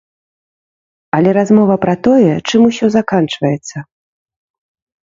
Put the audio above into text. Але размова пра тое, чым усё заканчваецца.